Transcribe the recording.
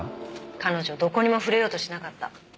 彼女どこにも触れようとしなかった。